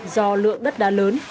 do lượng đất đá lớn